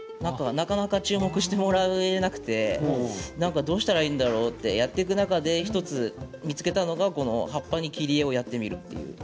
なかなか注目してもらえなくてどうしたらいいんだろうとやっていく中で１つ見つけたのが葉っぱに切り絵をやってみるという。